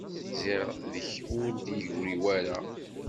Ziɣ deg-k ur d-igri wara.